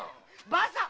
「ばあさん」